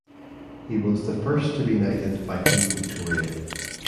He was the first to be knighted by Queen Victoria.